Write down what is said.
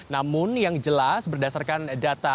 namun yang jelas berdasarkan data